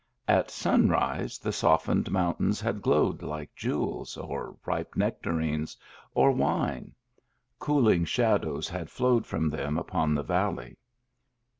At sunrise the softened mountains had glowed like jewels, or ripe nectarines, or wine; cooling shadows had flowed from them upon the valley.